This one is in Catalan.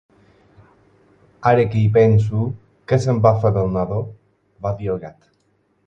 "Ara que hi penso, què se'n va fer del nadó?", va dir el Gat.